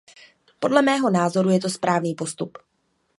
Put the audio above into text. Podle mého názoru je to správný postup.